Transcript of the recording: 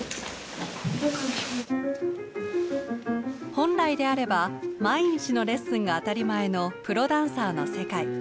本来であれば毎日のレッスンが当たり前のプロダンサーの世界。